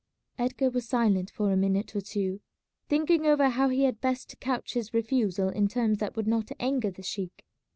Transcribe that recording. Edgar was silent for a minute or two, thinking over how he had best couch his refusal in terms that would not anger the sheik.